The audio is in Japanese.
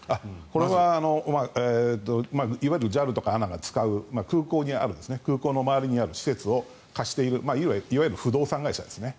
これはいわゆるＪＡＬとかＡＮＡが使う空港の周りにある施設を貸しているいわば不動産会社ですね。